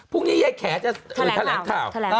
พรุ่งนี้ยายแขจะแถลงข่าว